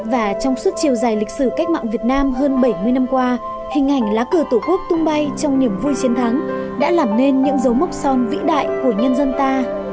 và trong suốt chiều dài lịch sử cách mạng việt nam hơn bảy mươi năm qua hình ảnh lá cờ tổ quốc tung bay trong niềm vui chiến thắng đã làm nên những dấu mốc son vĩ đại của nhân dân ta